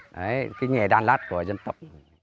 đấy cái nghề đan lát của dân tộc